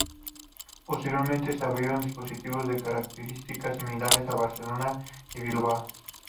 Posteriormente se abrieron dispositivos de características similares en Barcelona y Bilbao.